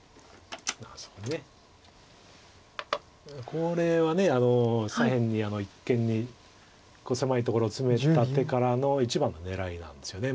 これは左辺に一間に狭いところをツメた手からの一番の狙いなんですよね。